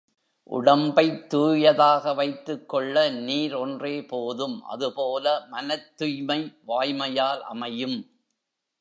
உடம்பைத் தூயதாக வைத்துக்கொள்ள நீர் ஒன்றே போதும் அதுபோல மனத்துய்மை வாய்மையால் அமையும்.